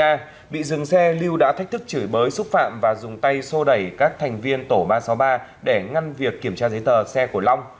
vày ngày sáu tháng ba bị dừng xe lưu đã thách thức chửi bới xúc phạm và dùng tay xô đẩy các thành viên tổ ba trăm sáu mươi ba để ngăn việc kiểm tra giấy tờ xe của long